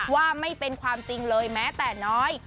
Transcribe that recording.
ว่าไม่เป็นความจริงเลยแม้แต่น้อย